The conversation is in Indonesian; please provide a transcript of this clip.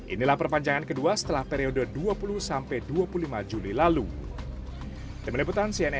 inilah perpanjangan kedua setelah periode dua puluh sampai dua puluh lima juli lalu